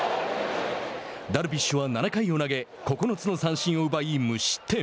ダルビッシュは７回を投げ９つの三振を奪い、無失点。